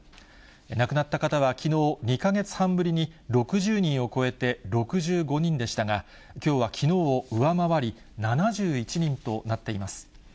亡くなった方はきのう、２か月半ぶりに６０人を超えて、６５人でしたが、きょうはきのうを上回り、７１人となっています。